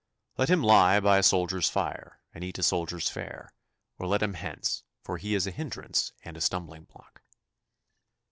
Let him lie by a soldier's fire and eat a soldier's fare, or let him hence, for he is a hindrance and a stumbling block.